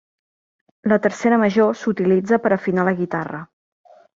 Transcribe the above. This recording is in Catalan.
La tercera major s'utilitza per afinar la guitarra.